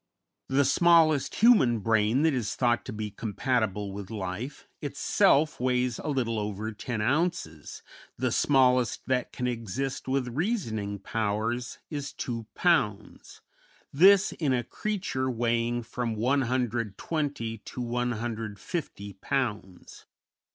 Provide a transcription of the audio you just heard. The smallest human brain that is thought to be compatible with life itself weighs a little over ten ounces, the smallest that can exist with reasoning powers is two pounds; this in a creature weighing from 120 to 150 pounds.